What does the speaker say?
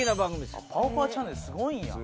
『パオパオチャンネル』すごいんや！